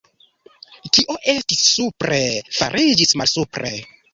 Kio estis supre, fariĝis malsupre!